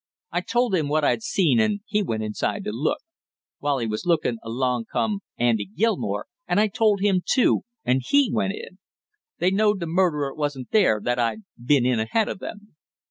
I told him what I'd seen and he went inside to look; while he was looking, along come Andy Gilmore and I told him, too, and he went in. They knowed the murderer wasn't there, that I'd been in ahead of them.